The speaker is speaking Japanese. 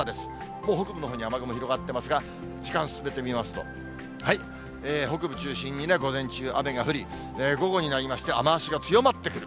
もう北部のほうに雨雲広がってますが、時間進めてみますと、北部中心に午前中、雨が降り、午後になりまして、雨足が強まってくる。